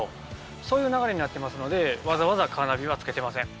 そういう流れになってますのでわざわざカーナビはつけてません。